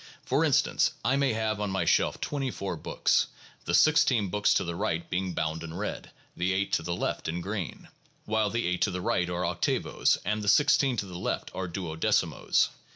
For instance I may have on my shelf twenty four books, the sixteen books to the right being bound in red, the eight to the left in green; while the eight to the right are octavos and the sixteen to the left are duodecimos.